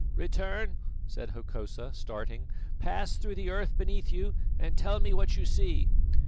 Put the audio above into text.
"Return," said Hokosa starting. "Pass through the earth beneath you and tell me what you see."